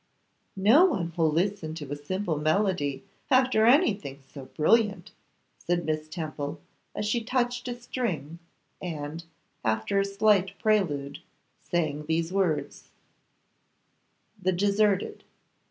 'No one will listen to a simple melody after anything so brilliant,' said Miss Temple, as she touched a string, and, after a slight prelude, sang these words: THE DESERTED.